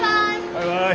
バイバイ。